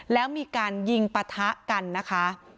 แล้วมีการยิงปะทะกันนะคะ